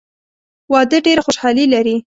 واده ډېره خوشحالي لري.